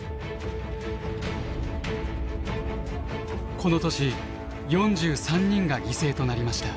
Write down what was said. この年４３人が犠牲となりました。